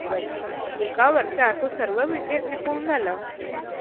एका वर्षांत तो सर्व विद्येंत निपुण झाला.